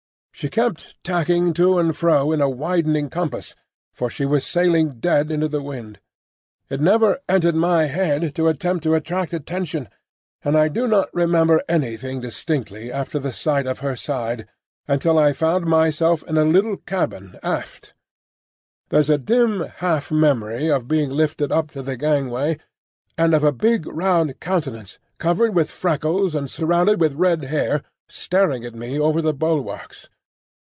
She kept tacking to and fro in a widening compass, for she was sailing dead into the wind. It never entered my head to attempt to attract attention, and I do not remember anything distinctly after the sight of her side until I found myself in a little cabin aft. There's a dim half memory of being lifted up to the gangway, and of a big round countenance covered with freckles and surrounded with red hair staring at me over the bulwarks.